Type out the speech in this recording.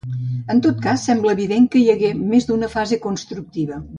En tot cas, sembla evident que hi hagué més d'una fase constructiva.